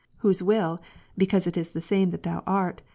Whose will, because it is the same that Thou art.